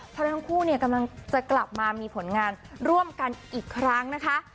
เพราะทั้งคู่เนี่ยกำลังจะกลับมามีผลงานร่วมกันอีกครั้งนะคะ